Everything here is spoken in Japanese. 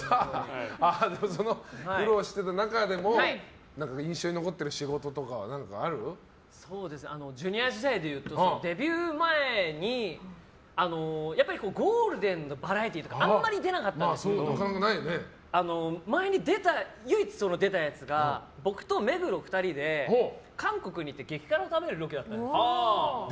苦労していた中でも印象に残ってる仕事とかＪｒ．時代で言うとデビュー前にやっぱりゴールデンのバラエティーとかあんまり出なかったんですけど唯一出たやつが僕と目黒２人で韓国に行って激辛を食べるロケだったんですよ。